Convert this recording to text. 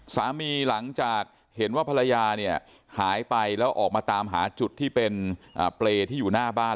หลังจากเห็นว่าภรรยาเนี่ยหายไปแล้วออกมาตามหาจุดที่เป็นเปรย์ที่อยู่หน้าบ้าน